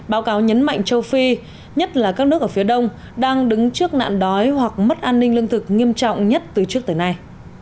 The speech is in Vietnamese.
báo cáo nhấn mạnh châu phi nhất là các nước ở phía đông đang đứng trước nạn đói hoặc mất an ninh lương thực nghiêm trọng nhất từ trước tới nay